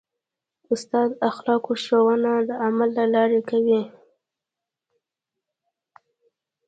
استاد د اخلاقو ښوونه د عمل له لارې کوي.